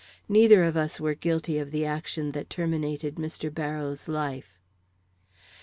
Neither of us were guilty of the action that terminated Mr. Barrows' life."